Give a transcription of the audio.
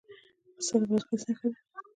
پسته د بادغیس نښه ده.